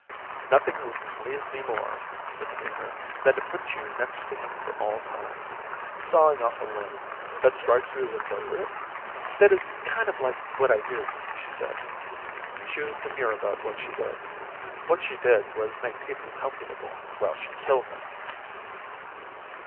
"Nothing would please me more," said the painter, "than to put you next to him for all time. Sawing off a limb that strikes you as appropriate?" "That is kind of like what I do," she said. She was demure about what she did. What she did was make people comfortable while she killed them.